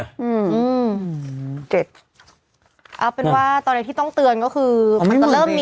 เอาเป็นว่าตอนที่ต้องเตือนก็คือ